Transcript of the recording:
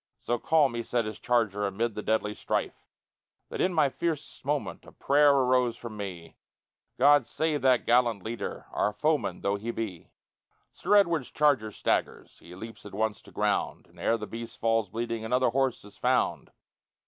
So calm he sat his charger Amid the deadly strife, That in my fiercest moment A prayer arose from me God save that gallant leader, Our foeman though he be! Sir Edward's charger staggers; He leaps at once to ground. And ere the beast falls bleeding Another horse is found.